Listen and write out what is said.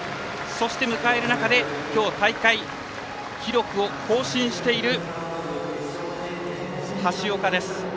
迎える中できょう大会記録を更新している橋岡です。